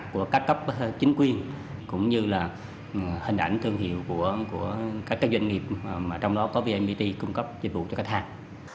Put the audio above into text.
của các cấp chính quyền cũng như là hình ảnh thương hiệu của các doanh nghiệp mà trong đó có vnpt cung cấp dịch vụ cho khách hàng